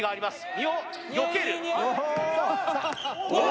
身をよけるうわ